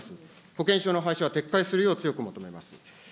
保険証の廃止は、撤回するよう強く求めます。